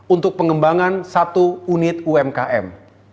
untuk pengembangan satu unit umkm